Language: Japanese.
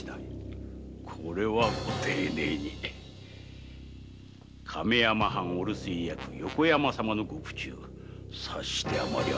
これはご丁寧に亀山藩御留守居役横山様のご苦衷察して余りあります。